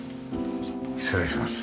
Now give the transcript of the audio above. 失礼します。